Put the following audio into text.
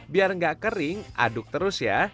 biar nggak kering aduk terus ya